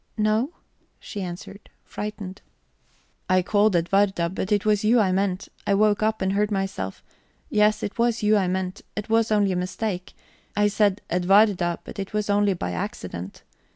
"No," she answered, frightened. "I called Edwarda, but it was you I meant. I woke up and heard myself. Yes, it was you I meant; it was only a mistake; I said 'Edwarda,' but it was only by accident.